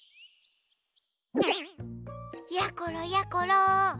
やころやころ！